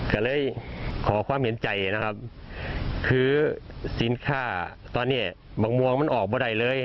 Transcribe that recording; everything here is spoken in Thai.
ก็เลยขอความเห็นใจนะครับคือสินค่าตอนนี้บางมวงมันออกมาได้เลย